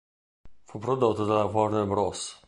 Fu prodotto dalla Warner Bros.